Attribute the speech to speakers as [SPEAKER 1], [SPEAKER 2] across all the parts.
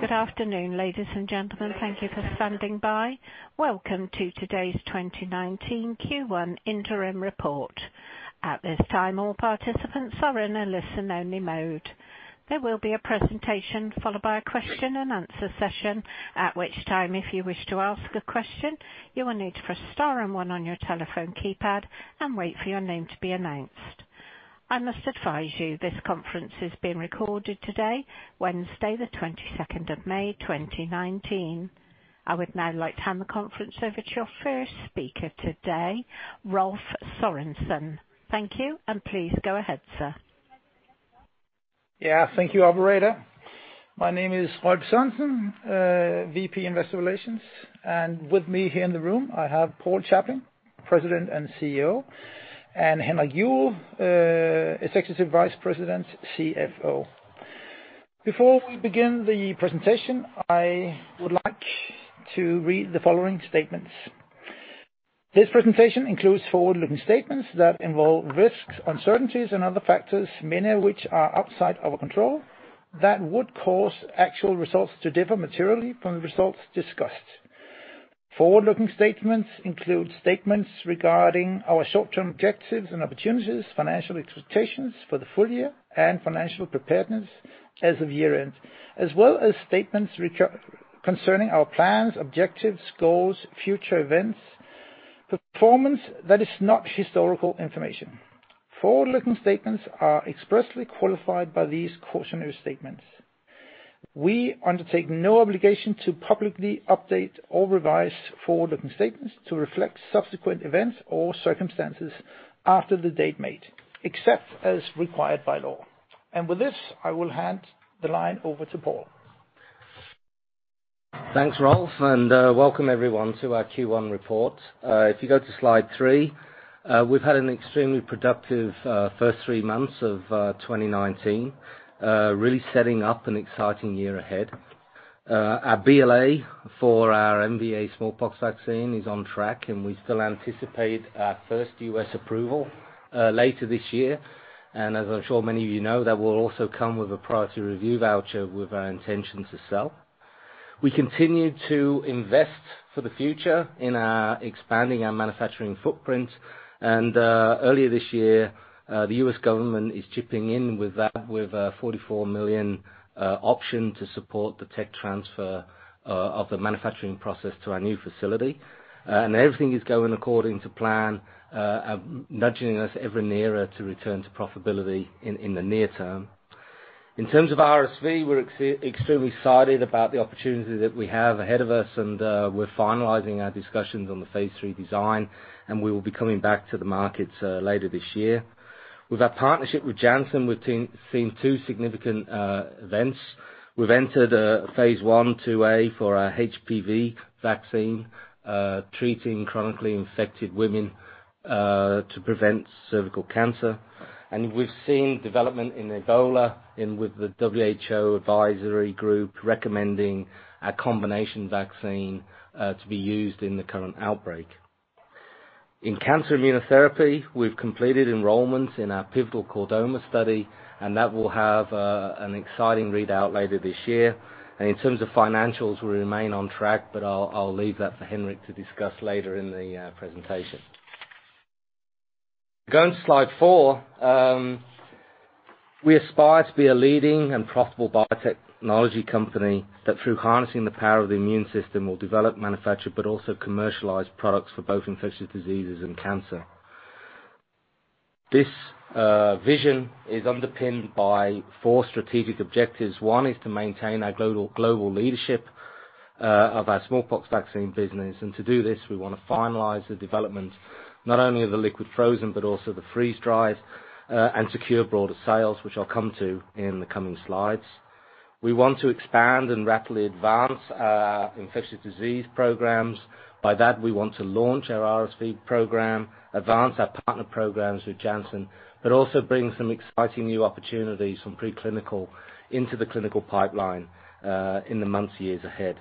[SPEAKER 1] Good afternoon, ladies and gentlemen. Thank you for standing by. Welcome to today's 2019 Q1 interim report. At this time, all participants are in a listen-only mode. There will be a presentation followed by a Q&A session, at which time, if you wish to ask a question, you will need to press star and one on your telephone keypad and wait for your name to be announced. I must advise you, this conference is being recorded today, Wednesday, the 22nd of May, 2019. I would now like to hand the conference over to your first speaker today, Rolf Sass Sørensen. Thank you. Please go ahead, sir.
[SPEAKER 2] Yeah, thank you, operator. My name is Rolf Sass Sørensen, VP, Investor Relations. With me here in the room, I have Paul Chaplin, President & CEO, and Henrik Juuel, Executive Vice President, CFO. Before we begin the presentation, I would like to read the following statements. This presentation includes forward-looking statements that involve risks, uncertainties and other factors, many of which are outside our control, that would cause actual results to differ materially from the results discussed. Forward-looking statements include statements regarding our short-term objectives and opportunities, financial expectations for the full year, and financial preparedness as of year-end, as well as statements concerning our plans, objectives, goals, future events, performance that is not historical information. Forward-looking statements are expressly qualified by these cautionary statements. We undertake no obligation to publicly update or revise forward-looking statements to reflect subsequent events or circumstances after the date made, except as required by law. With this, I will hand the line over to Paul.
[SPEAKER 3] Thanks, Rolf. Welcome everyone to our Q1 report. If you go to slide three, we've had an extremely productive first three months of 2019, really setting up an exciting year ahead. Our BLA for our MVA smallpox vaccine is on track, we still anticipate our first U.S. approval later this year. As I'm sure many of you know, that will also come with a Priority Review Voucher with our intention to sell. We continue to invest for the future in expanding our manufacturing footprint, earlier this year, the U.S. government is chipping in with that, with a $44 million option to support the tech transfer of the manufacturing process to our new facility. Everything is going according to plan, nudging us every nearer to return to profitability in the near term. In terms of RSV, we're extremely excited about the opportunity that we have ahead of us, and we're finalizing our discussions on the phase III design, and we will be coming back to the markets later this year. With our partnership with Janssen, we've seen two significant events. We've entered a phase I, 2A for our HPV vaccine, treating chronically infected women to prevent cervical cancer. We've seen development in Ebola, with the WHO advisory group recommending a combination vaccine to be used in the current outbreak. In cancer immunotherapy, we've completed enrollments in our pivotal chordoma study, that will have an exciting readout later this year. In terms of financials, we remain on track, but I'll leave that for Henrik to discuss later in the presentation. Going to slide four, we aspire to be a leading and profitable biotechnology company that, through harnessing the power of the immune system, will develop, manufacture, but also commercialize products for both infectious diseases and cancer. This vision is underpinned by four strategic objectives. One is to maintain our global leadership of our smallpox vaccine business, and to do this, we want to finalize the development not only of the liquid frozen, but also the freeze-dried and secure broader sales, which I'll come to in the coming slides. We want to expand and rapidly advance our infectious disease programs. By that, we want to launch our RSV program, advance our partner programs with Janssen, but also bring some exciting new opportunities from preclinical into the clinical pipeline in the months, years ahead.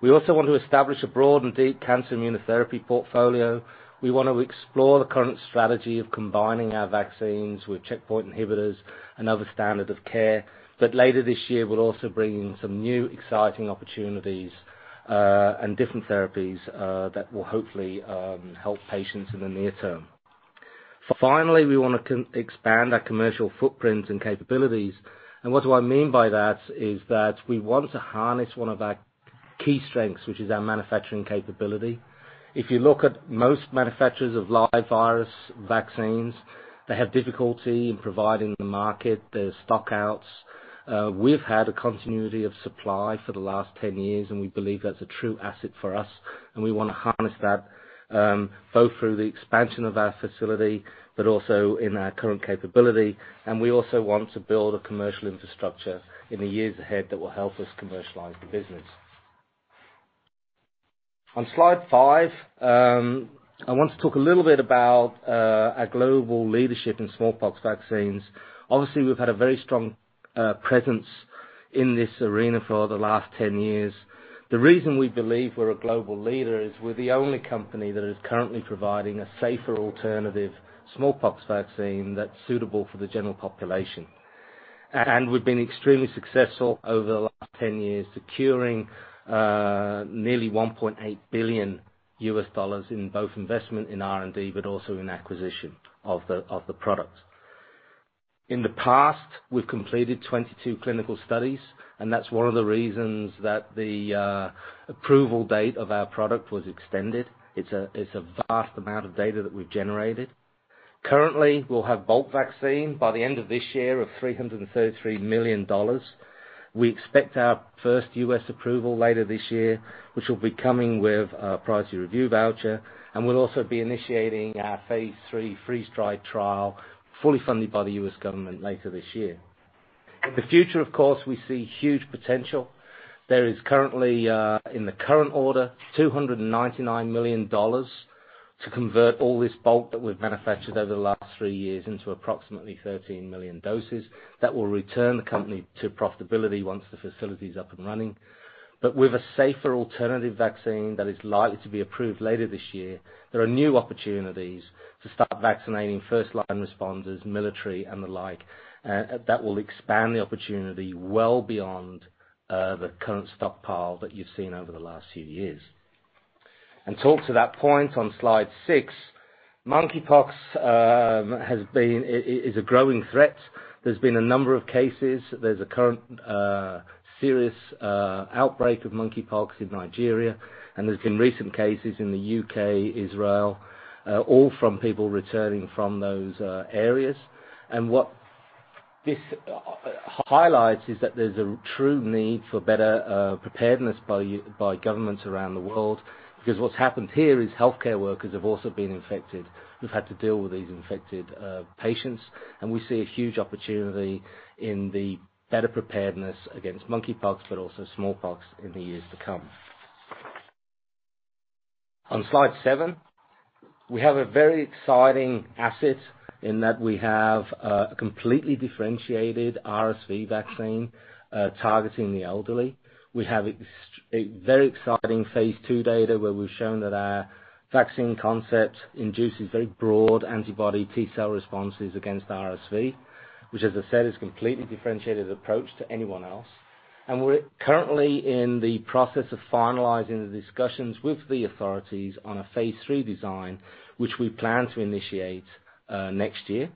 [SPEAKER 3] We also want to establish a broad and deep cancer immunotherapy portfolio. We want to explore the current strategy of combining our vaccines with checkpoint inhibitors and other standard of care. Later this year, we'll also bring in some new, exciting opportunities and different therapies that will hopefully help patients in the near term. Finally, we want to expand our commercial footprint and capabilities. What do I mean by that, is that we want to harness one of our key strengths, which is our manufacturing capability. If you look at most manufacturers of live virus vaccines, they have difficulty in providing the market, there's stock outs. We've had a continuity of supply for the last 10 years. We believe that's a true asset for us. We want to harness that, both through the expansion of our facility, but also in our current capability. We also want to build a commercial infrastructure in the years ahead that will help us commercialize the business. On slide five, I want to talk a little bit about our global leadership in smallpox vaccines. Obviously, we've had a very strong presence in this arena for the last 10 years. The reason we believe we're a global leader is we're the only company that is currently providing a safer alternative smallpox vaccine that's suitable for the general population.... We've been extremely successful over the last 10 years, securing nearly $1.8 billion in both investment in R&D, but also in acquisition of the product. In the past, we've completed 22 clinical studies. That's one of the reasons that the approval date of our product was extended. It's a vast amount of data that we've generated. Currently, we'll have bulk vaccine by the end of this year of $333 million. We expect our first U.S. approval later this year, which will be coming with a Priority Review Voucher. We'll also be initiating our phase III freeze-dried trial, fully funded by the U.S. government later this year. In the future, of course, we see huge potential. There is currently, in the current order, $299 million to convert all this bulk that we've manufactured over the last three years into approximately 13 million doses. That will return the company to profitability once the facility is up and running. With a safer alternative vaccine that is likely to be approved later this year, there are new opportunities to start vaccinating first-line responders, military, and the like. That will expand the opportunity well beyond the current stockpile that you've seen over the last few years. Talk to that point on slide six, mpox has been, it is a growing threat. There's been a number of cases. There's a current, serious outbreak of mpox in Nigeria, and there's been recent cases in the U.K., Israel, all from people returning from those areas. What this highlights is that there's a true need for better preparedness by governments around the world, because what's happened here is healthcare workers have also been infected, who've had to deal with these infected patients, and we see a huge opportunity in the better preparedness against monkeypox, but also smallpox in the years to come. On Slide seven, we have a very exciting asset in that we have a completely differentiated RSV vaccine, targeting the elderly. We have a very exciting phase II data, where we've shown that our vaccine concept induces very broad antibody T cell responses against RSV, which, as I said, is a completely differentiated approach to anyone else. We're currently in the process of finalizing the discussions with the authorities on a phase III design, which we plan to initiate next year.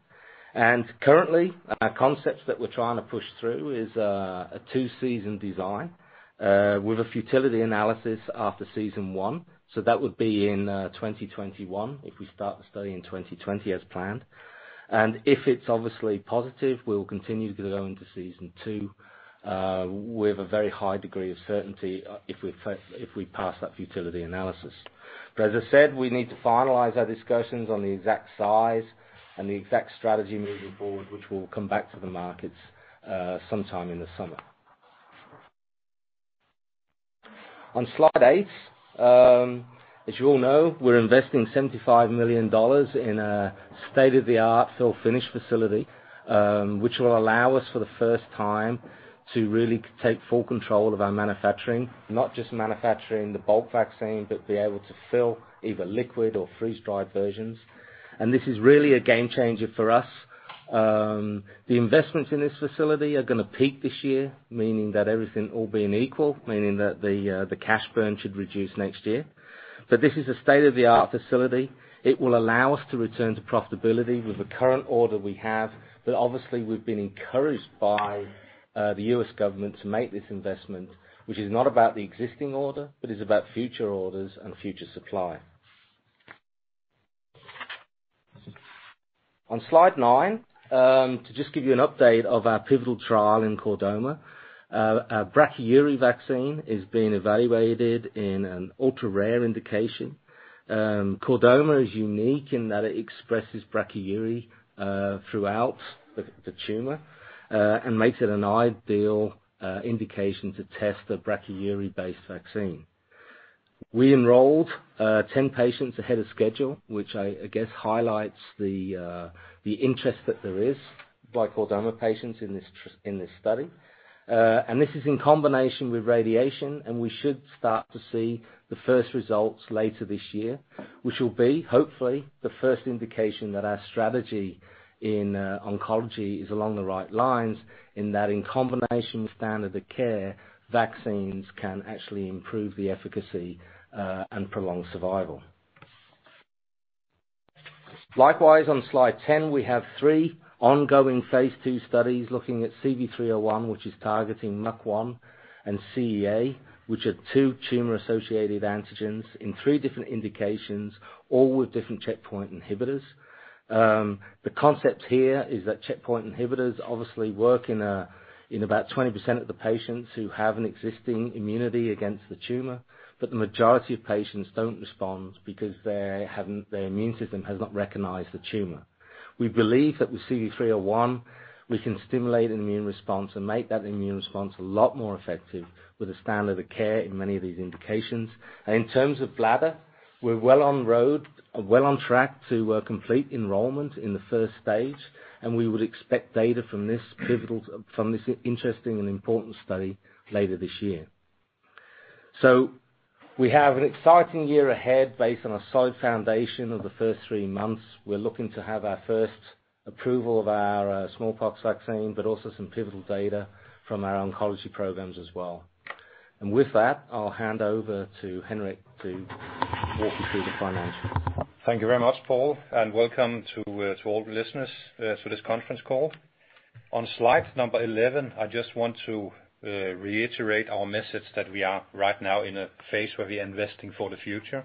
[SPEAKER 3] Currently, a concept that we're trying to push through is a two-season design with a futility analysis after season one. That would be in 2021, if we start the study in 2020, as planned. If it's obviously positive, we will continue to go into season two with a very high degree of certainty if we first, if we pass that futility analysis. As I said, we need to finalize our discussions on the exact size and the exact strategy moving forward, which we'll come back to the markets sometime in the summer. On slide eight, as you all know, we're investing $75 million in a state-of-the-art fill finish facility, which will allow us for the first time to really take full control of our manufacturing. Not just manufacturing the bulk vaccine, but be able to fill either liquid or freeze-dried versions. This is really a game changer for us. The investments in this facility are gonna peak this year, meaning that everything, all being equal, meaning that the cash burn should reduce next year. This is a state-of-the-art facility. It will allow us to return to profitability with the current order we have. Obviously, we've been encouraged by the U.S. government to make this investment, which is not about the existing order, but is about future orders and future supply. On slide nine, to just give you an update of our pivotal trial in chordoma, our BN-Brachyury vaccine is being evaluated in an ultra-rare indication. Chordoma is unique in that it expresses brachyury throughout the tumor and makes it an ideal indication to test the brachyury-based vaccine. We enrolled 10 patients ahead of schedule, which I guess highlights the interest that there is by chordoma patients in this study. This is in combination with radiation, and we should start to see the first results later this year, which will be, hopefully, the first indication that our strategy in oncology is along the right lines, in that in combination with standard of care, vaccines can actually improve the efficacy and prolong survival. Likewise, on slide 10, we have three ongoing phase II studies looking at CV301, which is targeting MUC1 and CEA, which are two tumor-associated antigens in three different indications, all with different checkpoint inhibitors. The concept here is that checkpoint inhibitors obviously work in about 20% of the patients who have an existing immunity against the tumor, but the majority of patients don't respond because their immune system has not recognized the tumor. We believe that with CV301, we can stimulate an immune response and make that immune response a lot more effective with the standard of care in many of these indications. In terms of bladder, we're well on track to complete enrollment in the first stage, and we would expect data from this interesting and important study later this year. We have an exciting year ahead based on a solid foundation of the first three months. We're looking to have our first approval of our smallpox vaccine, but also some pivotal data from our oncology programs as well. With that, I'll hand over to Henrik to walk you through the financials.
[SPEAKER 4] Thank you very much, Paul, welcome to all the listeners to this conference call. On slide number 11, I just want to reiterate our message that we are right now in a phase where we are investing for the future.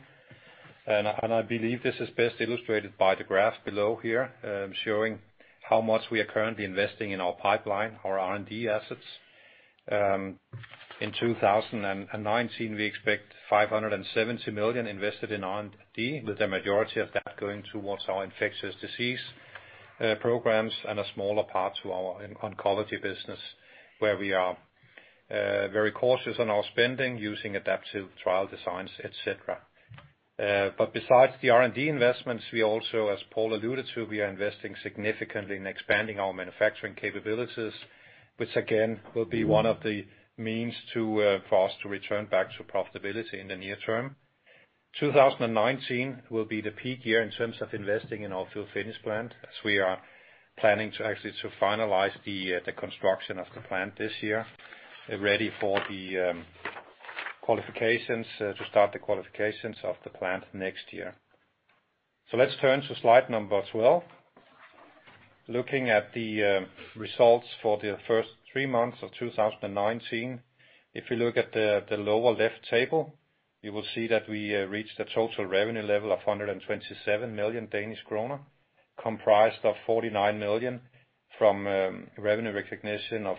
[SPEAKER 4] I believe this is best illustrated by the graph below here, showing how much we are currently investing in our pipeline, our R&D assets. In 2019, we expect 570 million invested in R&D, with the majority of that going towards our infectious disease programs and a smaller part to our oncology business, where we are very cautious on our spending, using adaptive trial designs, et cetera. Besides the R&D investments, we also, as Paul alluded to, we are investing significantly in expanding our manufacturing capabilities, which again, will be one of the means to for us to return back to profitability in the near term. 2019 will be the peak year in terms of investing in our fill-finish plant, as we are planning to actually to finalize the construction of the plant this year, ready for the qualifications to start the qualifications of the plant next year. Let's turn to slide number 12. Looking at the results for the first three months of 2019, if you look at the lower left table, you will see that we reached a total revenue level of 127 million Danish kroner, comprised of 49 million from revenue recognition of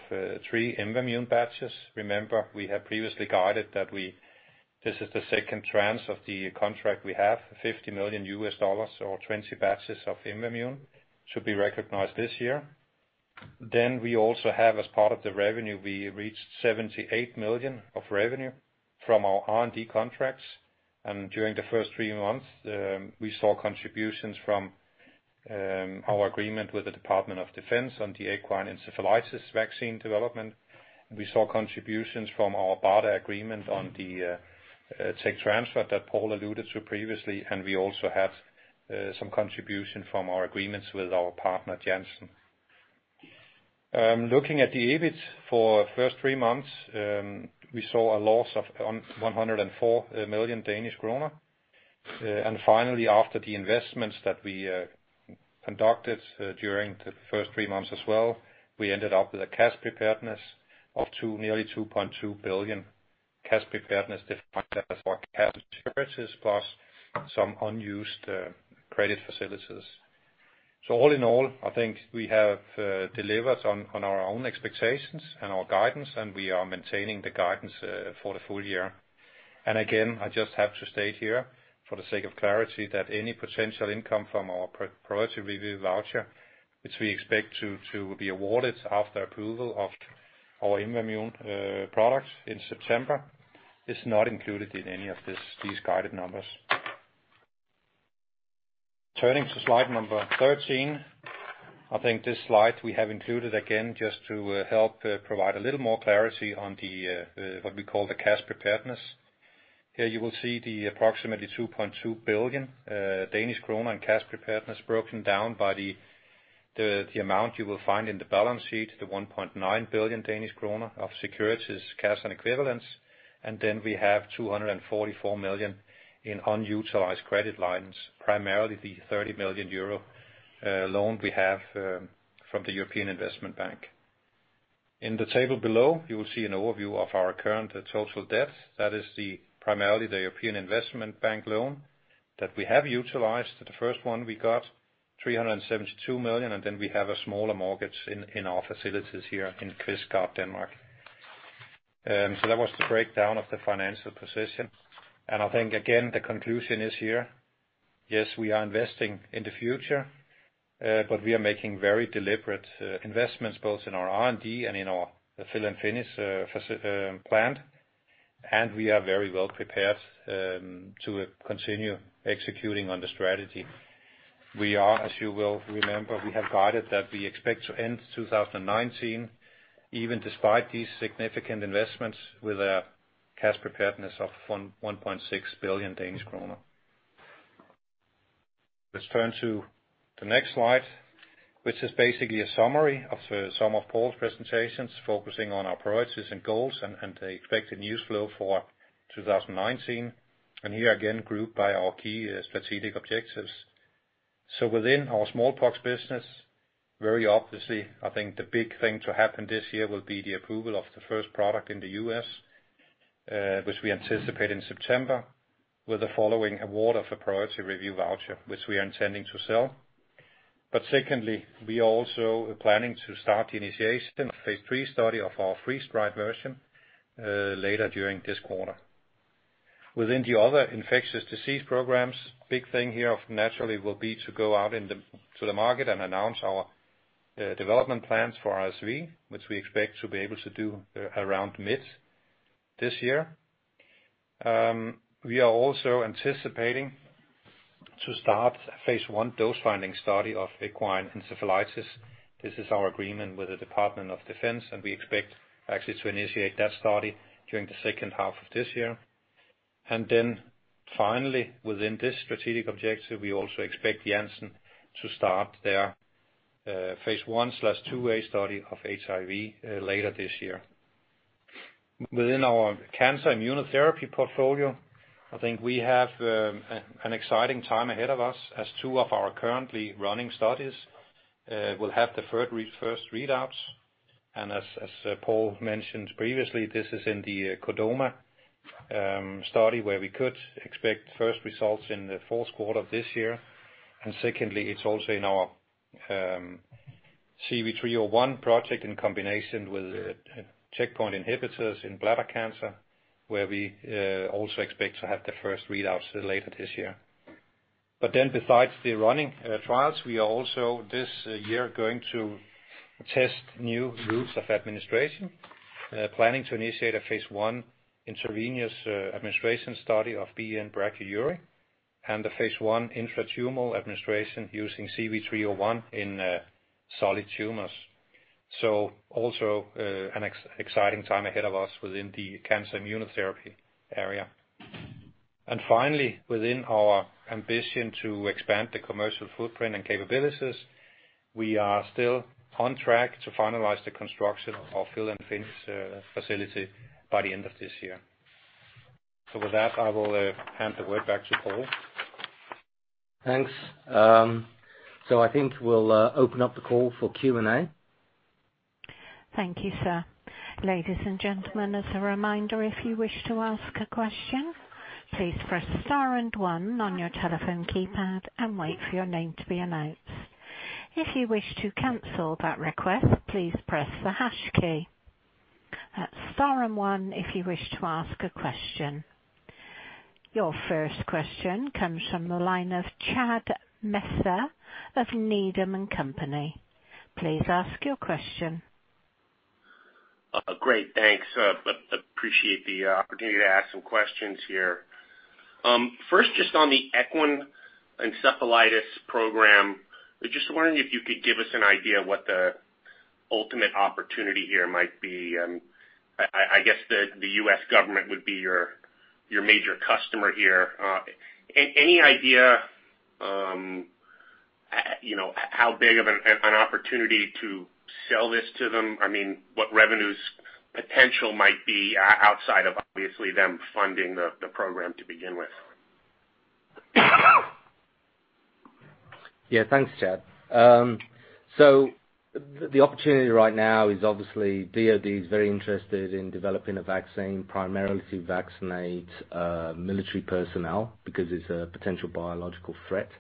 [SPEAKER 4] three IMVAMUNE batches. Remember, we have previously guided that this is the second tranche of the contract we have, $50 million, or 20 batches of IMVAMUNE, to be recognized this year. We also have, as part of the revenue, we reached 78 million of revenue from our R&D contracts. During the first three months, we saw contributions from our agreement with the Department of Defense on the equine encephalitis vaccine development. We saw contributions from our BARDA agreement on the tech transfer that Paul alluded to previously. We also have some contribution from our agreements with our partner, Janssen. Looking at the EBIT for first three months, we saw a loss of 104 million Danish kroner. Finally, after the investments that we conducted during the first three months as well, we ended up with a cash preparedness of nearly 2.2 billion. Cash preparedness, defined as our cash and securities, plus some unused credit facilities. All in all, I think we have delivered on our own expectations and our guidance. We are maintaining the guidance for the full year. Again, I just have to state here, for the sake of clarity, that any potential income from our Priority Review Voucher, which we expect to be awarded after approval of our IMVAMUNE product in September, is not included in any of these guided numbers. Turning to slide number 13. I think this slide we have included, again, just to help provide a little more clarity on the what we call the cash preparedness. Here, you will see the approximately 2.2 billion Danish kroner in cash preparedness, broken down by the amount you will find in the balance sheet, the 1.9 billion Danish kroner of securities, cash, and equivalents. We have 244 million in unutilized credit lines, primarily the 30 million euro loan we have from the European Investment Bank. In the table below, you will see an overview of our current total debt. Primarily the European Investment Bank loan that we have utilized. The first one, we got 372 million, we have a smaller mortgage in our facilities here in Kvistgård, Denmark. That was the breakdown of the financial position. I think, again, the conclusion is here, yes, we are investing in the future, but we are making very deliberate investments, both in our R&D and in our fill and finish plant, we are very well prepared to continue executing on the strategy. We are, as you will remember, we have guided that we expect to end 2019, even despite these significant investments, with a cash preparedness of 1.6 billion Danish kroner. Let's turn to the next slide, which is basically a summary of some of Paul's presentations, focusing on our priorities and goals and the expected news flow for 2019, and here again, grouped by our key strategic objectives. Within our smallpox business, very obviously, I think the big thing to happen this year will be the approval of the first product in the U.S., which we anticipate in September, with the following award of a Priority Review Voucher, which we are intending to sell. Secondly, we also are planning to start the initiation of phase III study of our freeze-dried version later during this quarter. Within the other infectious disease programs, big thing here, naturally, will be to go out to the market and announce our development plans for RSV, which we expect to be able to do around mid this year. We are also to start phase I dose-finding study of equine encephalitis. This is our agreement with the Department of Defense, and we expect actually to initiate that study during the second half of this year. Finally, within this strategic objective, we also expect Janssen to start their phase I/ phase II study of HIV later this year. Within our cancer immunotherapy portfolio, I think we have an exciting time ahead of us as two of our currently running studies will have the first readouts. As Paul mentioned previously, this is in the chordoma study, where we could expect first results in the fourth quarter of this year. Secondly, it's also in our CV301 project in combination with checkpoint inhibitors in bladder cancer, where we also expect to have the first readouts later this year. Besides the running trials, we are also, this year, going to test new routes of administration, planning to initiate a phase I intravenous administration study of BN-Brachyury and a phase I intratumoral administration using CV301 in solid tumors. Also an exciting time ahead of us within the cancer immunotherapy area. Finally, within our ambition to expand the commercial footprint and capabilities, we are still on track to finalize the construction of fill and finish facility by the end of this year. With that, I will hand the word back to Paul.
[SPEAKER 3] Thanks. I think we'll open up the call for Q&A.
[SPEAKER 1] Thank you, sir. Ladies and gentlemen, as a reminder, if you wish to ask a question, please press star and one on your telephone keypad and wait for your name to be announced. If you wish to cancel that request, please press the hash key. That's star and one, if you wish to ask a question. Your first question comes from the line of Chad Messer of Needham & Company. Please ask your question.
[SPEAKER 5] Great, thanks. Appreciate the opportunity to ask some questions here. First, just on the equine encephalitis program, I just wondering if you could give us an idea of what the ultimate opportunity here might be. I guess the U.S. government would be your major customer here. Any idea, you know, how big of an opportunity to sell this to them? I mean, what revenues potential might be, outside of obviously them funding the program to begin with?
[SPEAKER 3] Thanks, Chad. The opportunity right now is obviously, DoD is very interested in developing a vaccine, primarily to vaccinate military personnel, because it's a potential biological threat.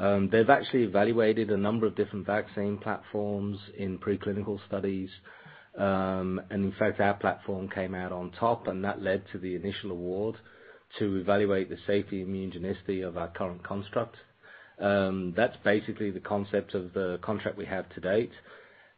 [SPEAKER 3] They've actually evaluated a number of different vaccine platforms in preclinical studies. In fact, our platform came out on top, and that led to the initial award to evaluate the safety immunogenicity of our current construct. That's basically the concept of the contract we have to date.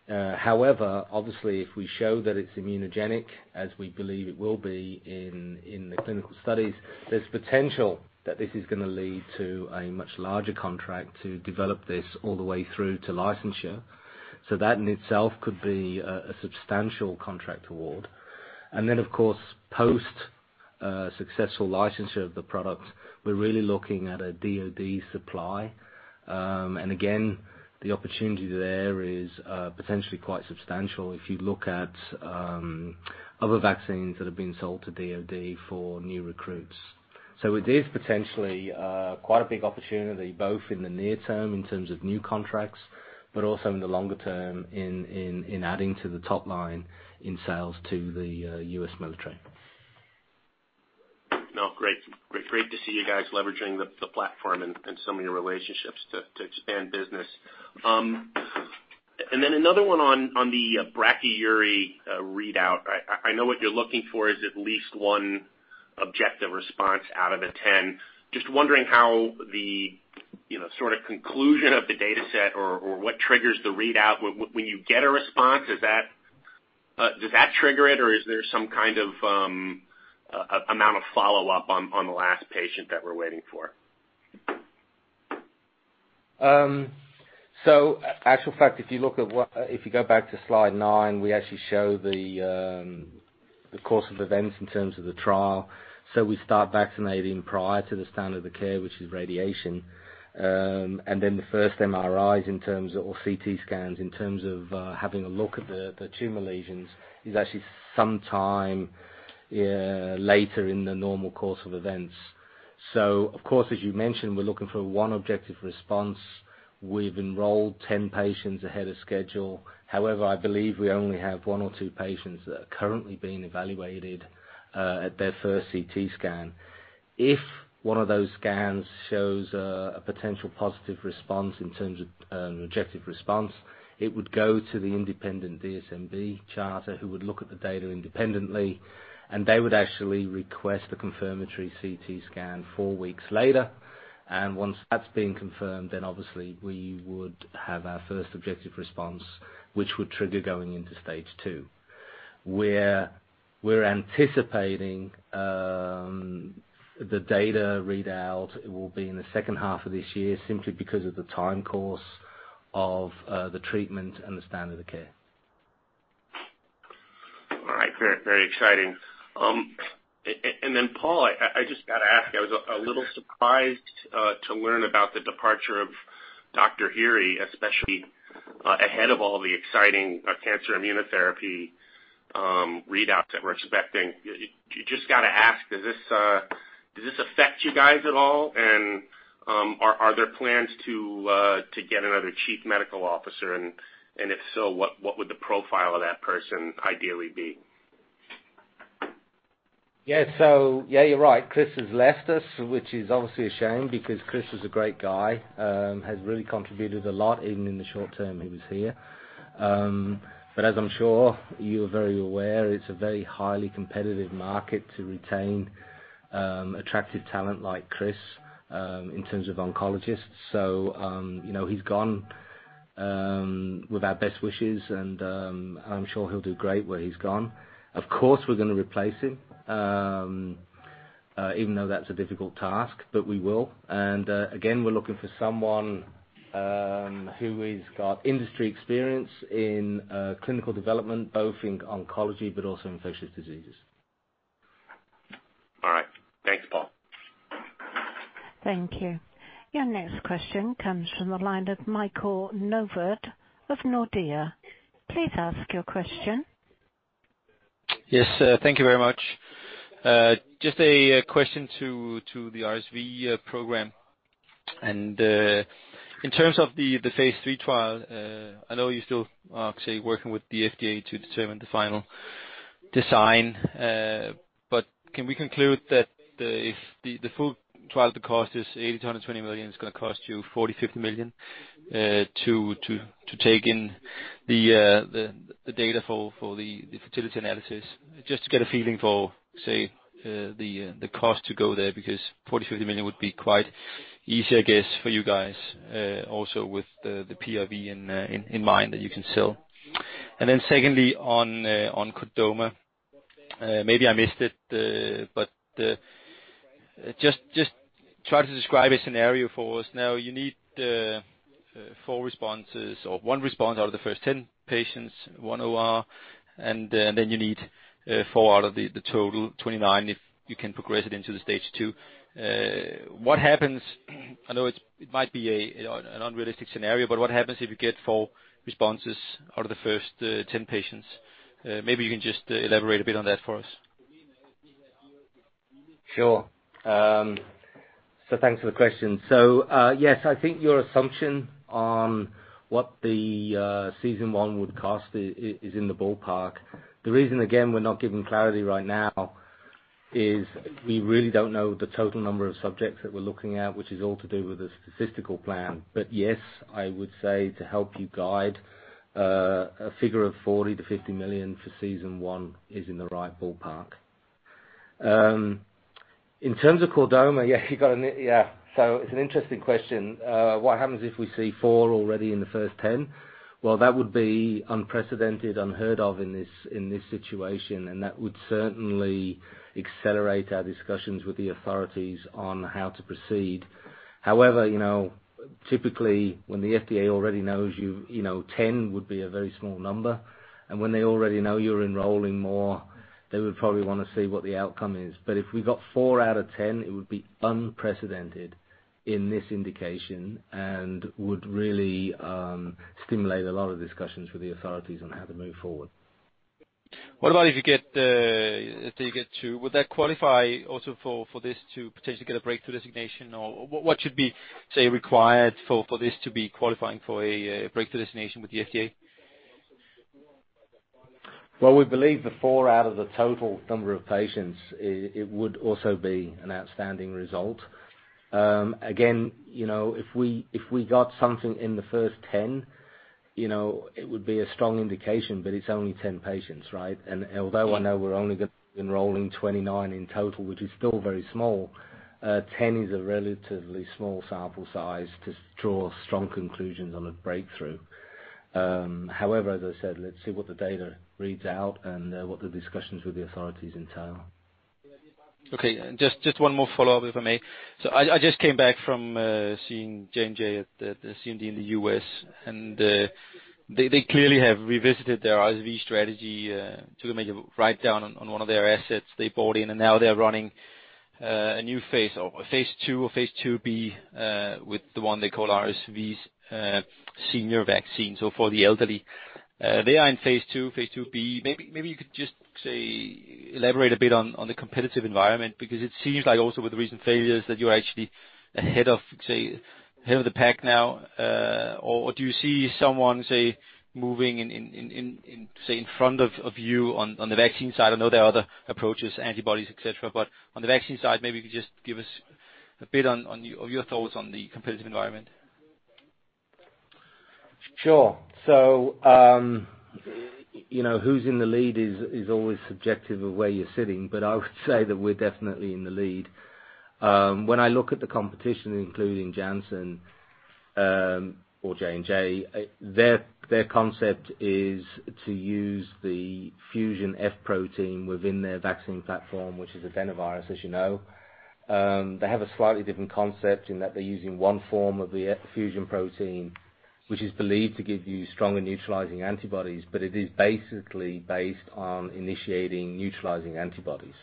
[SPEAKER 3] However, obviously, if we show that it's immunogenic, as we believe it will be in the clinical studies, there's potential that this is gonna lead to a much larger contract to develop this all the way through to licensure. That in itself could be a substantial contract award. Of course, post successful licensure of the product, we're really looking at a DoD supply. Again, the opportunity there is potentially quite substantial if you look at other vaccines that have been sold to DoD for new recruits. It is potentially quite a big opportunity, both in the near term in terms of new contracts, but also in the longer term, in adding to the top line in sales to the U.S. military.
[SPEAKER 5] Great, great to see you guys leveraging the platform and some of your relationships to expand business. Another one on the brachyury readout. I know what you're looking for is at least one objective response out of the 10. Just wondering how the, you know, sort of conclusion of the dataset or what triggers the readout. When you get a response, is that does that trigger it, or is there some kind of amount of follow-up on the last patient that we're waiting for?
[SPEAKER 3] Actual fact, if you look at if you go back to slide nine, we actually show the course of events in terms of the trial. We start vaccinating prior to the standard of the care, which is radiation. And then the first MRIs in terms or CT scans, in terms of having a look at the tumor lesions, is actually some time later in the normal course of events. Of course, as you mentioned, we're looking for one objective response. We've enrolled 10 patients ahead of schedule. However, I believe we only have one or two patients that are currently being evaluated at their first CT scan. If one of those scans shows, a potential positive response in terms of, objective response, it would go to the independent DSMB charter, who would look at the data independently, and they would actually request a confirmatory CT scan four weeks later. Once that's been confirmed, then obviously we would have our first objective response, which would trigger going into stage two. We're anticipating, the data readout will be in the second half of this year, simply because of the time course of, the treatment and the standard of care.
[SPEAKER 5] All right. Very, very exciting. And then, Paul, I just got to ask, I was a little surprised to learn about the departure of Tommi Kainu, especially ahead of all the exciting cancer immunotherapy readouts that we're expecting. You just got to ask, does this affect you guys at all? Are there plans to get another chief medical officer? If so, what would the profile of that person ideally be?
[SPEAKER 3] Yes. Yeah, you're right. Chris has left us, which is obviously a shame because Chris is a great guy, has really contributed a lot, even in the short term he was here. But as I'm sure you're very aware, it's a very highly competitive market to retain attractive talent like Chris in terms of oncologists. You know, he's gone with our best wishes, and I'm sure he'll do great where he's gone. Of course, we're gonna replace him, even though that's a difficult task, but we will. Again, we're looking for someone who has got industry experience in clinical development, both in oncology but also infectious diseases.
[SPEAKER 5] All right. Thanks, Paul.
[SPEAKER 1] Thank you. Your next question comes from the line of Michael Novod of Nordea. Please ask your question.
[SPEAKER 6] Thank you very much. Just a question to the RSV program. In terms of the Phase III trial, I know you're still working with the FDA to determine the final design, but can we conclude that if the full trial, the cost is 80 million-20 million, it's gonna cost you 40 million, 50 million to take in the data for the fertility analysis? Just to get a feeling for, say, the cost to go there, because 40 million, 50 million would be quite easy, I guess, for you guys, also with the PRV in mind that you can sell. Secondly, on chordoma, maybe I missed it, but just try to describe a scenario for us. Now, you need four responses or one response out of the first 10 patients, one OR, and then you need four out of the total 29, if you can progress it into the Stage Two. What happens? I know it's, it might be an unrealistic scenario, but what happens if you get four responses out of the first 10 patients? Maybe you can just elaborate a bit on that for us.
[SPEAKER 3] Sure. Thanks for the question. Yes, I think your assumption on what the Season One would cost is in the ballpark. The reason, again, we're not giving clarity right now is we really don't know the total number of subjects that we're looking at, which is all to do with the statistical plan. Yes, I would say, to help you guide, a figure of 40 million-50 million for Season One is in the right ballpark. In terms of chordoma, it's an interesting question. What happens if we see four already in the first 10? That would be unprecedented, unheard of in this situation, and that would certainly accelerate our discussions with the authorities on how to proceed. You know, typically, when the FDA already knows you know, 10 would be a very small number, and when they already know you're enrolling more, they would probably want to see what the outcome is. If we got four out of 10, it would be unprecedented in this indication and would really stimulate a lot of discussions with the authorities on how to move forward.
[SPEAKER 6] What about if you get, if you get two? Would that qualify also for this to potentially get a Breakthrough designation? What, what should be, say, required for this to be qualifying for a Breakthrough designation with the FDA?
[SPEAKER 3] Well, we believe the four out of the total number of patients, it would also be an outstanding result. Again, you know, if we got something in the first 10, you know, it would be a strong indication, but it's only 10 patients, right?
[SPEAKER 6] Yeah.
[SPEAKER 3] Although I know we're only gonna be enrolling 29 in total, which is still very small, 10 is a relatively small sample size to draw strong conclusions on a breakthrough. However, as I said, let's see what the data reads out and, what the discussions with the authorities entail.
[SPEAKER 6] Okay, just one more follow-up, if I may. I just came back from seeing JNJ at the CMD in the U.S., and they clearly have revisited their RSV strategy to make a write-down on one of their assets they bought in, and now they're running a new phase or phase II or phase IIb with the one they call RSV senior vaccine, so for the elderly. They are in phase II, phase IIb. Maybe you could just say, elaborate a bit on the competitive environment, because it seems like also with the recent failures, that you're actually ahead of, say, the pack now, or do you see someone, say, moving in, say, in front of you on the vaccine side? I know there are other approaches, antibodies, et cetera, but on the vaccine side, maybe you could just give us a bit on your thoughts on the competitive environment?
[SPEAKER 3] Sure. you know, who's in the lead is always subjective of where you're sitting, but I would say that we're definitely in the lead. When I look at the competition, including Janssen, or J&J, their concept is to use the fusion F protein within their vaccine platform, which is adenovirus, as you know. They have a slightly different concept in that they're using one form of the F fusion protein, which is believed to give you stronger neutralizing antibodies, but it is basically based on initiating neutralizing antibodies.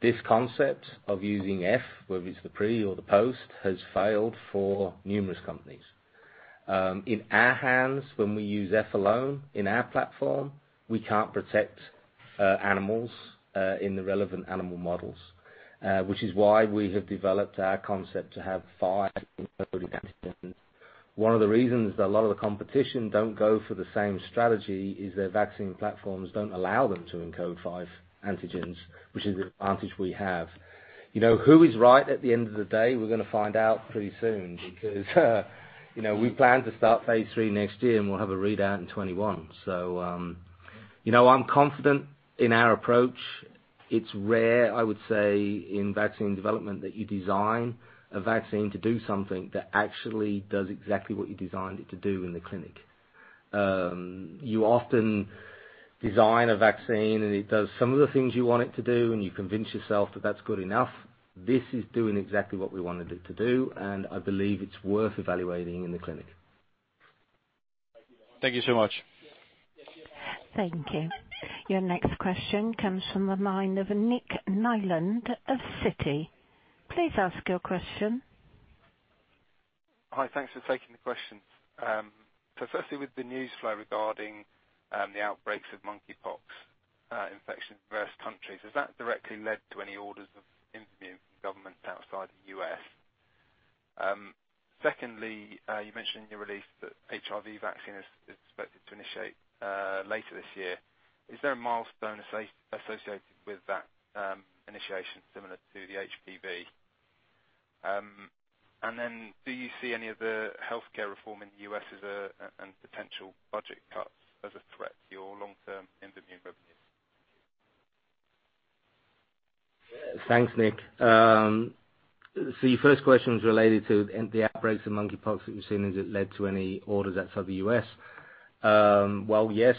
[SPEAKER 3] This concept of using F, whether it's the pre or the post, has failed for numerous companies. In our hands, when we use F alone in our platform, we can't protect animals in the relevant animal models, which is why we have developed our concept to have five encoded antigens. One of the reasons that a lot of the competition don't go for the same strategy is their vaccine platforms don't allow them to encode five antigens, which is the advantage we have. You know, who is right at the end of the day? We're gonna find out pretty soon, because, you know, we plan to start phase III next year, and we'll have a readout in 2021. You know, I'm confident in our approach. It's rare, I would say, in vaccine development, that you design a vaccine to do something that actually does exactly what you designed it to do in the clinic. You often design a vaccine, and it does some of the things you want it to do, and you convince yourself that that's good enough. This is doing exactly what we want it to do. I believe it's worth evaluating in the clinic.
[SPEAKER 5] Thank you so much.
[SPEAKER 1] Thank you. Your next question comes from the mind of Nick Nieland of Citi. Please ask your question.
[SPEAKER 7] Hi, thanks for taking the question. Firstly, with the news flow regarding the outbreaks of mpox infection in various countries, has that directly led to any orders of IMVAMUNE from governments outside the US? Secondly, you mentioned in your release that HIV vaccine is expected to initiate later this year. Is there a milestone associated with that initiation similar to the HPV? Do you see any of the healthcare reform in the U.S. as a and potential budget cuts as a threat to your long-term IMVAMUNE revenues?
[SPEAKER 3] Thanks, Nick. Your first question was related to the outbreaks of mpox that we've seen, has it led to any orders outside the U.S.? Well, yes,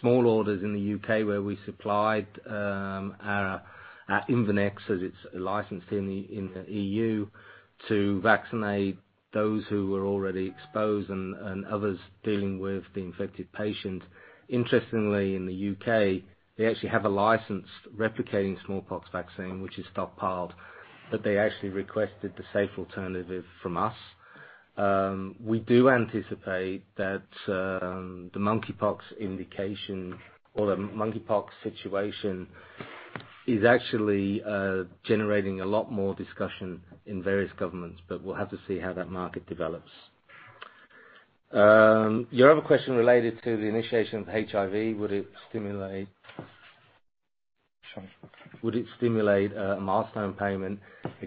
[SPEAKER 3] small orders in the U.K., where we supplied our IMVANEX, as it's licensed in the EU, to vaccinate those who were already exposed and others dealing with the infected patient. Interestingly, in the U.K., they actually have a licensed replicating smallpox vaccine, which is stockpiled, but they actually requested the safe alternative from us. We do anticipate that the mpox indication or the mpox situation is actually generating a lot more discussion in various governments, but we'll have to see how that market develops. Your other question related to the initiation of HIV, would it stimulate a milestone payment?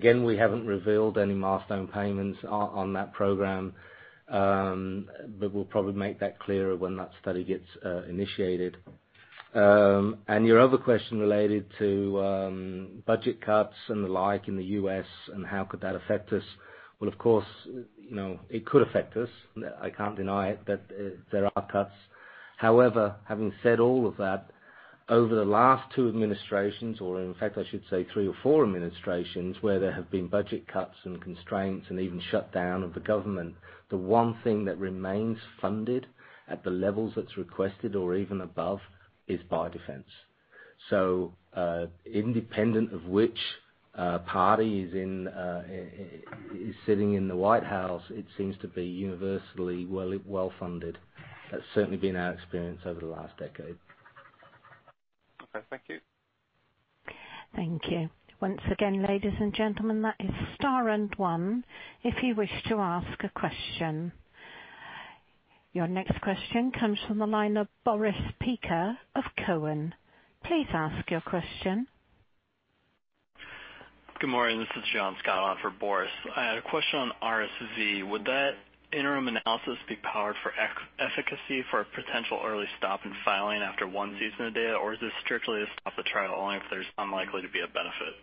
[SPEAKER 3] We haven't revealed any milestone payments on that program. We'll probably make that clearer when that study gets initiated. Your other question related to budget cuts and the like in the U.S., how could that affect us? Of course, you know, it could affect us. I can't deny it, that there are cuts. Having said all of that, over the last two administrations, or in fact, I should say three or four administrations, where there have been budget cuts and constraints and even shutdown of the government, the one thing that remains funded at the levels that's requested or even above, is biodefense. Independent of which party is in, is sitting in the White House, it seems to be universally well-funded. That's certainly been our experience over the last decade.
[SPEAKER 7] Okay, thank you.
[SPEAKER 1] Thank you. Once again, ladies and gentlemen, that is star and one if you wish to ask a question. Your next question comes from the line of Boris Peaker of Cowen. Please ask your question.
[SPEAKER 8] Good morning, this is John Scullin for Boris. I had a question on RSV. Would that interim analysis be powered for efficacy for a potential early stop in filing after one season of data, or is this strictly to stop the trial only if there's unlikely to be a benefit?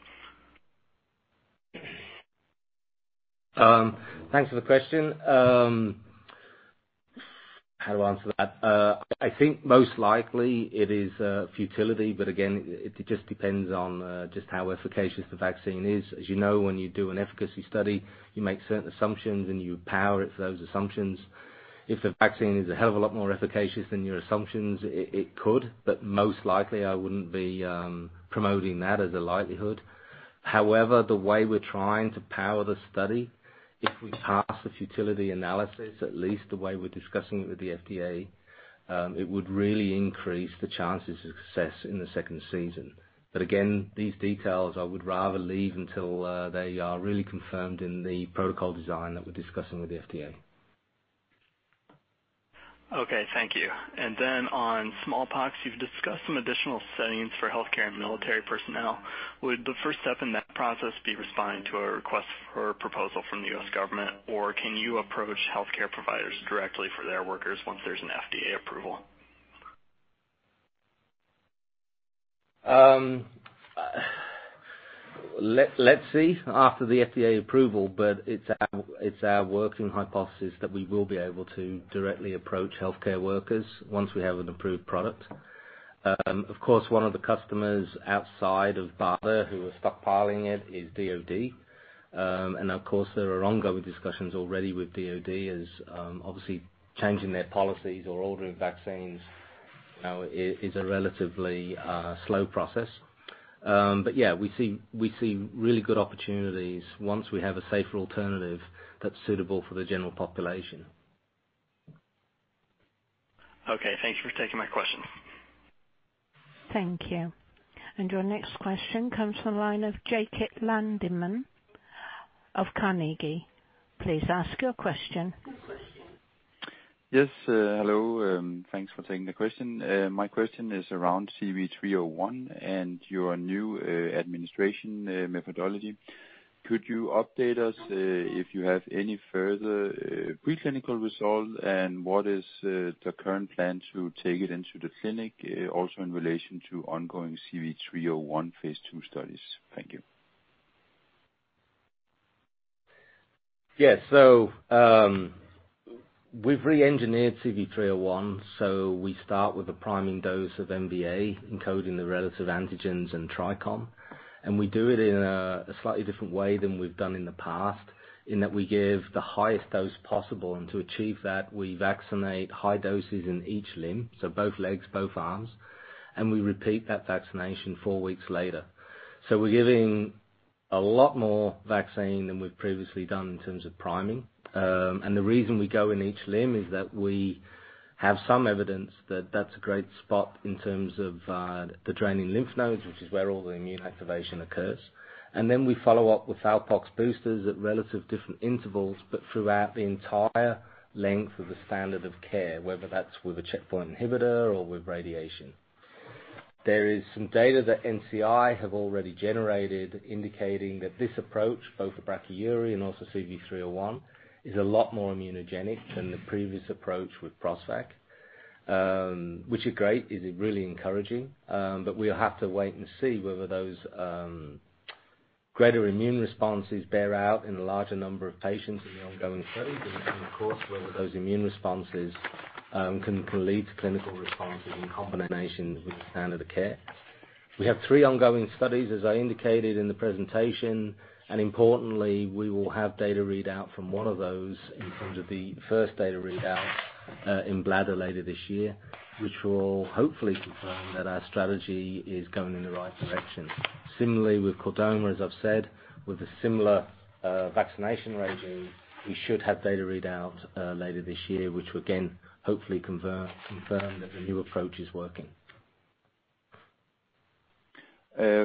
[SPEAKER 3] Thanks for the question. How to answer that? I think most likely it is futility, but again, it just depends on just how efficacious the vaccine is. As you know, when you do an efficacy study, you make certain assumptions, and you power it for those assumptions. If the vaccine is a hell of a lot more efficacious than your assumptions, it could, but most likely, I wouldn't be promoting that as a likelihood. The way we're trying to power the study, if we pass the futility analysis, at least the way we're discussing it with the FDA, it would really increase the chances of success in the second season. Again, these details I would rather leave until they are really confirmed in the protocol design that we're discussing with the FDA.
[SPEAKER 8] Okay, thank you. On smallpox, you've discussed some additional settings for healthcare and military personnel. Would the first step in that process be responding to a request for a proposal from the U.S. government, or can you approach healthcare providers directly for their workers once there's an FDA approval?
[SPEAKER 3] let's see after the FDA approval, but it's our working hypothesis that we will be able to directly approach healthcare workers once we have an approved product. Of course, one of the customers outside of BARDA, who are stockpiling it, is DOD. Of course, there are ongoing discussions already with DOD as, obviously, changing their policies or ordering vaccines, is a relatively slow process. Yeah, we see really good opportunities once we have a safer alternative that's suitable for the general population.
[SPEAKER 5] Okay. Thank you for taking my question.
[SPEAKER 1] Thank you. Your next question comes from the line of Jesper Ilsøe of Carnegie. Please ask your question.
[SPEAKER 9] Yes. Hello. Thanks for taking the question. My question is around CV301 and your new administration methodology. Could you update us if you have any further preclinical results, and what is the current plan to take it into the clinic also in relation to ongoing CV301 phase II studies? Thank you.
[SPEAKER 3] Yes. We've reengineered CV301, so we start with a priming dose of MVA-BN, encoding the relative antigens and TRICOM. We do it in a slightly different way than we've done in the past, in that we give the highest dose possible, and to achieve that, we vaccinate high doses in each limb, so both legs, both arms, and we repeat that vaccination four weeks later. We're giving a lot more vaccine than we've previously done in terms of priming. The reason we go in each limb is that we have some evidence that that's a great spot in terms of the draining lymph nodes, which is where all the immune activation occurs. We follow up with fowlpox boosters at relative different intervals, but throughout the entire length of the standard of care, whether that's with a checkpoint inhibitor or with radiation. There is some data that NCI have already generated, indicating that this approach, both for BN-Brachyury and also CV301, is a lot more immunogenic than the previous approach with PROSTVAC, which is great, it is really encouraging. We'll have to wait and see whether those greater immune responses bear out in a larger number of patients in the ongoing studies and of course, whether those immune responses can lead to clinical responses in combination with the standard of care. We have three ongoing studies, as I indicated in the presentation, and importantly, we will have data readout from one of those in terms of the first data readout, in bladder later this year, which will hopefully confirm that our strategy is going in the right direction. Similarly, with chordoma, as I've said, with a similar, vaccination regimen, we should have data readout, later this year, which will again, hopefully confirm that the new approach is working.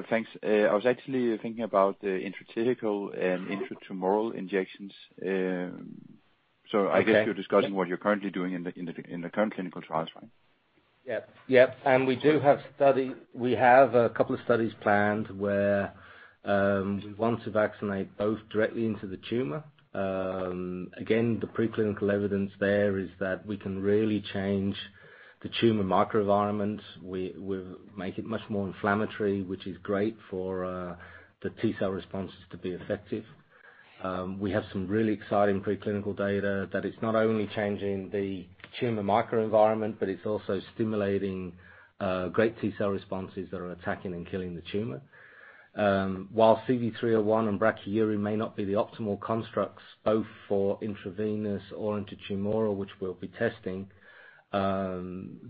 [SPEAKER 9] Thanks. I was actually thinking about the intrathecal and intratumoral injections.
[SPEAKER 3] Okay.
[SPEAKER 9] guess you're discussing what you're currently doing in the current clinical trials, right?
[SPEAKER 3] Yep. We have a couple of studies planned where, we want to vaccinate both directly into the tumor. Again, the preclinical evidence there is that we can really change the tumor microenvironment. We make it much more inflammatory, which is great for, the T cell responses to be effective. We have some really exciting preclinical data, that it's not only changing the tumor microenvironment, but it's also stimulating, great T cell responses that are attacking and killing the tumor. While CV301 and Brachyury may not be the optimal constructs, both for intravenous or intratumoral, which we'll be testing,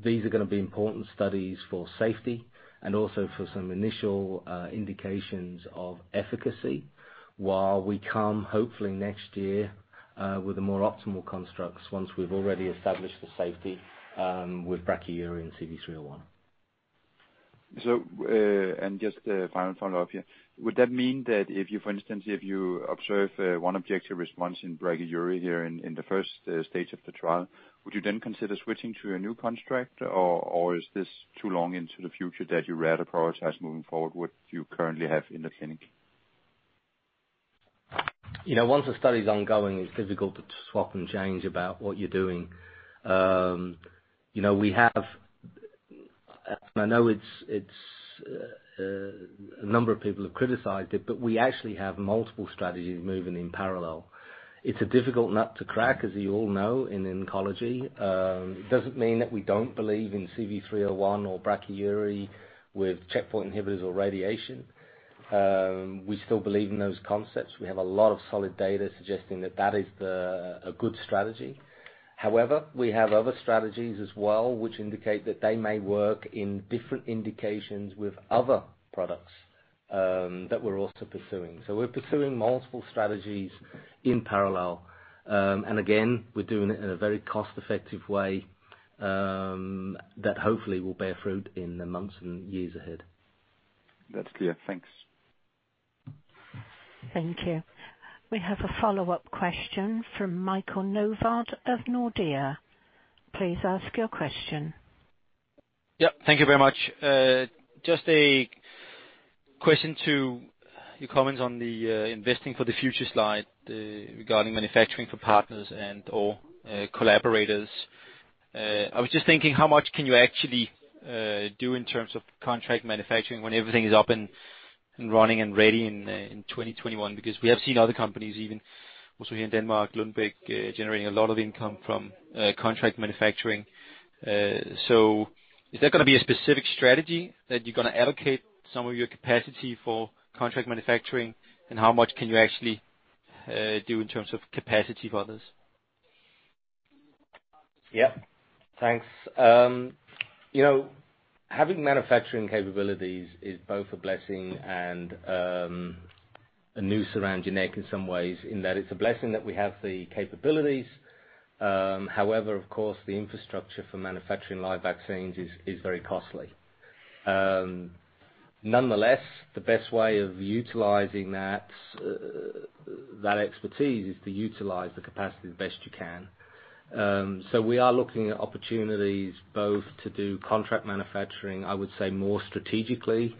[SPEAKER 3] these are gonna be important studies for safety and also for some initial, indications of efficacy. While we come, hopefully next year, with the more optimal constructs, once we've already established the safety, with Brachyury and CV301.
[SPEAKER 9] Just a final follow-up here. Would that mean that if you, for instance, if you observe one objective response in Brachyury here in the first stage of the trial, would you then consider switching to a new construct, or is this too long into the future that you rather prioritize moving forward what you currently have in the clinic?
[SPEAKER 3] You know, once the study is ongoing, it's difficult to swap and change about what you're doing. You know, we have, I know it's a number of people have criticized it, but we actually have multiple strategies moving in parallel. It's a difficult nut to crack, as you all know, in oncology. It doesn't mean that we don't believe in CV301 or Brachyury with checkpoint inhibitors or radiation. We still believe in those concepts. We have a lot of solid data suggesting that that is a good strategy. We have other strategies as well, which indicate that they may work in different indications with other products that we're also pursuing. We're pursuing multiple strategies in parallel. Again, we're doing it in a very cost-effective way, that hopefully will bear fruit in the months and years ahead.
[SPEAKER 9] That's clear. Thanks.
[SPEAKER 1] Thank you. We have a follow-up question from Michael Friis Jørgensen of Nordea. Please ask your question.
[SPEAKER 6] Yep. Thank you very much. Just a Question to your comments on the investing for the future slide regarding manufacturing for partners and or collaborators. I was just thinking, how much can you actually do in terms of contract manufacturing when everything is up and running and ready in 2021? We have seen other companies, even also here in Denmark, Lundbeck, generating a lot of income from contract manufacturing. Is there gonna be a specific strategy that you're gonna allocate some of your capacity for contract manufacturing, and how much can you actually do in terms of capacity for others?
[SPEAKER 3] Yeah. Thanks. you know, having manufacturing capabilities is both a blessing and a noose around your neck in some ways, in that it's a blessing that we have the capabilities. However, of course, the infrastructure for manufacturing live vaccines is very costly. Nonetheless, the best way of utilizing that expertise, is to utilize the capacity the best you can. We are looking at opportunities both to do contract manufacturing, I would say more strategically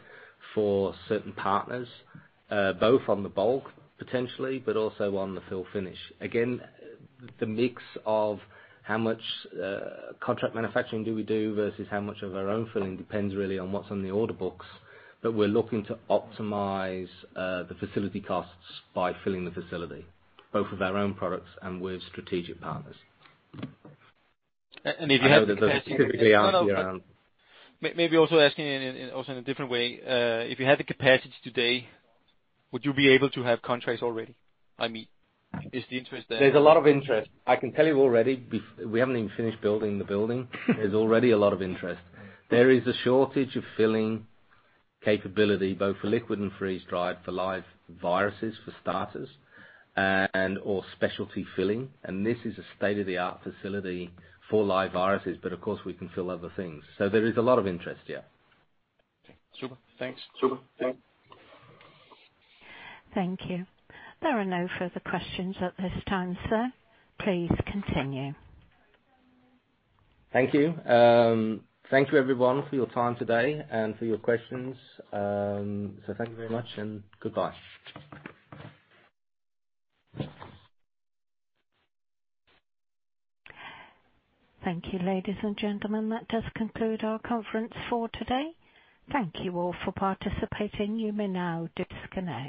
[SPEAKER 3] for certain partners, both on the bulk, potentially, but also on the fill finish. Again, the mix of how much contract manufacturing do we do versus how much of our own filling, depends really on what's on the order books. We're looking to optimize the facility costs by filling the facility, both with our own products and with strategic partners.
[SPEAKER 6] If you have.
[SPEAKER 3] I know that there's a specific answer around-
[SPEAKER 6] Maybe also asking in, also in a different way. If you had the capacity today, would you be able to have contracts already? I mean, is the interest there?
[SPEAKER 3] There's a lot of interest. I can tell you already, we haven't even finished building the building. There's already a lot of interest. There is a shortage of filling capability, both for liquid and freeze-dried, for live viruses, for starters, and or specialty filling, and this is a state-of-the-art facility for live viruses. Of course, we can fill other things. There is a lot of interest, yeah.
[SPEAKER 6] Super. Thanks. Super. Thank you.
[SPEAKER 1] Thank you. There are no further questions at this time, sir. Please continue.
[SPEAKER 3] Thank you. Thank you everyone for your time today and for your questions. Thank you very much, and goodbye.
[SPEAKER 1] Thank you, ladies and gentlemen. That does conclude our conference for today. Thank you all for participating. You may now disconnect.